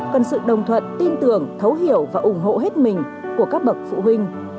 cần sự đồng thuận tin tưởng thấu hiểu và ủng hộ hết mình của các bậc phụ huynh